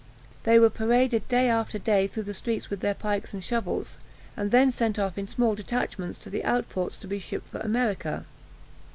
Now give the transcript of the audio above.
They were paraded day after day through the streets with their pikes and shovels, and then sent off in small detachments to the out ports to be shipped for America.